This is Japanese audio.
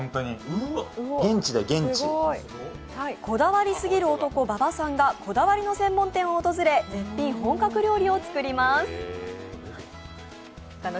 こだわりすぎる男、馬場さんがこだわりの専門店を訪れ絶品本格料理を作ります。